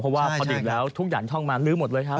เพราะว่าพอดื่มแล้วทุกอย่างช่องมาลื้อหมดเลยครับ